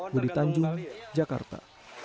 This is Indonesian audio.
budi tanjung jakarta